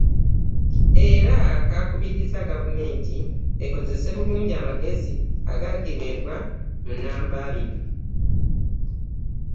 Era kakubiriza Gavumenti ekozese bulungi amagezi agagiweebwa mu nnamba abiri.